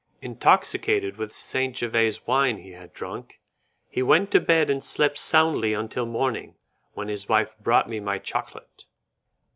Intoxicated with the St. Jevese wine he had drunk, he went to bed and slept soundly until morning, when his wife brought me my chocolate.